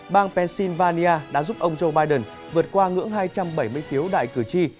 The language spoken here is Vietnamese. bang pennsylvania đã giúp ông joe biden vượt qua ngưỡng hai trăm bảy mươi phiếu đại cử tri